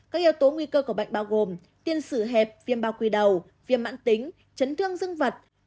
các yếu tố nguy cơ của bệnh bao gồm tiên sử hẹp viêm bao quy đầu viêm mãn tính chấn thương dân vật